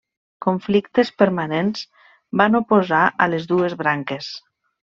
Conflictes permanents van oposar a les dues branques.